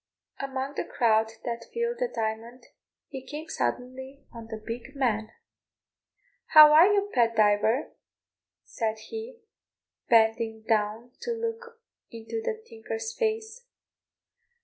Among the crowd that filled the Diamond he came suddenly on the big man. "How are you, Pat Diver?" said he, bending down to look into the tinker's face.